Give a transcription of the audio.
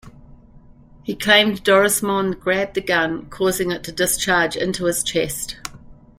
He claimed Dorismond grabbed the gun, causing it to discharge into his chest.